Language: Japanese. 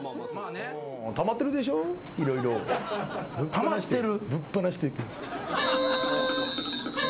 たまってる？